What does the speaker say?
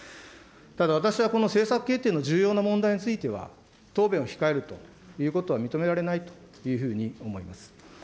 ただ、私はこの政策決定の重要な問題については、答弁を控えるということは認められないというふうに思います。